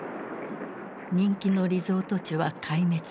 人気のリゾート地は壊滅。